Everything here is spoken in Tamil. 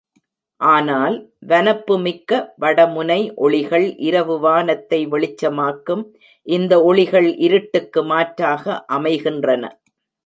ஆனால், வனப்புமிக்க வடமுனை ஒளிகள் இரவு வானத்தை வெளிச்சமாக்கும் இந்த ஒளிகள் இருட்டுக்கு மாற்றாக அமைகின்றன.